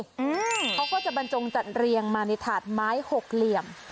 เขาก็จะบรรจงจัดเรียงมาในถาดไม้หกเหลี่ยม